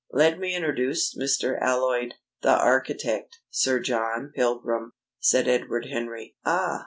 "Let me introduce Mr. Alloyd, the architect Sir John Pilgrim," said Edward Henry. "Ah!"